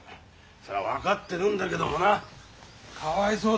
そりゃあ分かってるんだけどもなかわいそうだよ。